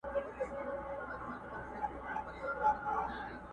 په شپو شپو یې سره کړي وه مزلونه؛